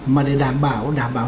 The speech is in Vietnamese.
mà để đảm bảo